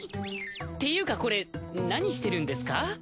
ていうかこれ何してるんですか？